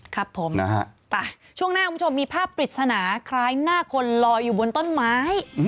ครับผมนะฮะไปช่วงหน้าคุณผู้ชมมีภาพปริศนาคล้ายหน้าคนลอยอยู่บนต้นไม้